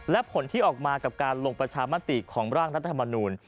และผลที่ออกมากับการลงประชามติของร่างรัฐธรรมนูล